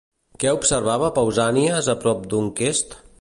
Què observava Pausànies a prop d'Onquest?